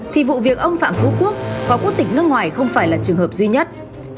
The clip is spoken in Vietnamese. thì vụ việc ông phạm phú quốc có quốc tịch nước ngoài không phải là trường hợp duy nhất